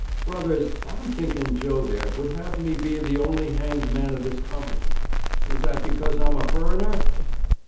'Brothers, I'm thinking Joe there would have me be the only hanged man of this company. Is that because I'm a furriner?'